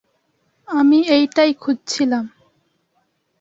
আমি এইটাই খুজছিলাম।